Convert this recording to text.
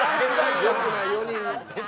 良くない４人。